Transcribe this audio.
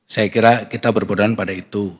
saya kira kita berpura pura pada itu